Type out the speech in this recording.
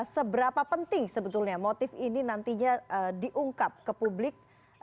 seberapa penting sebetulnya motif ini nantinya diungkap ke publik